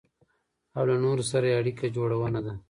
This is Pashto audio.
او له نورو سره يې اړيکه جوړونه ده.